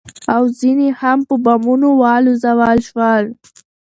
او ځنې هم په بمونو والوزول شول.